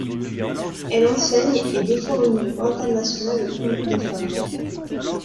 Elle enseigne, et défend au niveau international le point de vue des femmes.